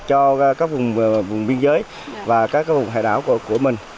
cho các vùng biên giới và các vùng hải đảo của mình